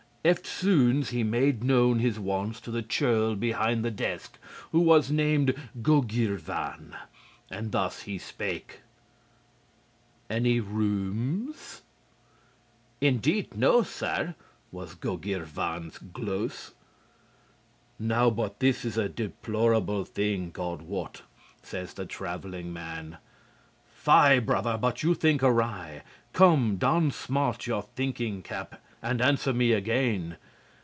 Eftsoons he made known his wants to the churl behind the desk, who was named Gogyrvan. And thus he spake: "Any rooms?" "Indeed, sir, no," was Gogyrvan's glose. "Now but this is an deplorable thing, God wot," says the traveling man. "Fie, brother, but you think awry. Come, don smart your thinking cap and answer me again.